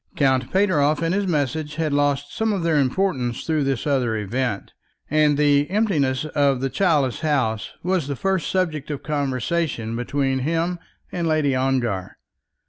Count Pateroff and his message had lost some of their importance through this other event, and the emptiness of the childless house was the first subject of conversation between him and Lady Ongar.